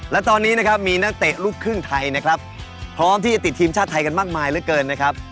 และตอนนี้นะครับมีนักเตะลูกครึ่งไทยนะครับพร้อมที่จะติดทีมชาติไทยกันมากมายเหลือเกินนะครับ